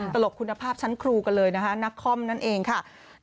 ตลกคุณภาพชั้นครูกันเลยนะคะนักคอมนั่นเองค่ะ